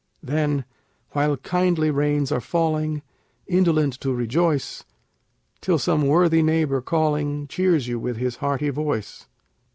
Then, while kindly rains are falling, indolently to rejoice, Till some worthy neighbor calling, cheers you with his hearty voice.